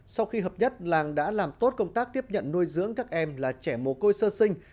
sau khi hợp nhất làng đã làm tốt công tác tiếp nhận nuôi dưỡng các em là trẻ mồ côi sơ sinh